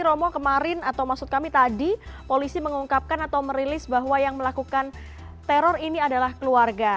romo kemarin atau maksud kami tadi polisi mengungkapkan atau merilis bahwa yang melakukan teror ini adalah keluarga